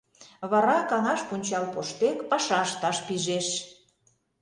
Вара, каҥаш пунчал поштек, паша ышташ пижеш.